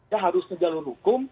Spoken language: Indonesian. ya harus ke jalur hukum